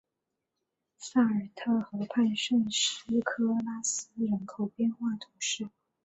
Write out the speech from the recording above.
萨尔特河畔圣斯科拉斯人口变化图示